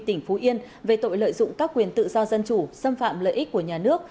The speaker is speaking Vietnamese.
tỉnh phú yên về tội lợi dụng các quyền tự do dân chủ xâm phạm lợi ích của nhà nước